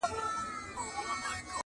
خدایه ته ګډ کړې دا د کاڼو زیارتونه؛